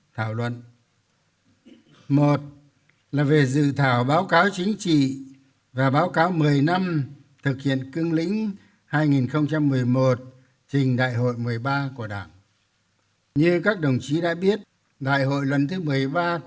sau đây tôi xin phát biểu một số ý kiến có tinh chất gợi mở nêu vấn đề để các đồng chí cùng suy nghĩ nghiên cứu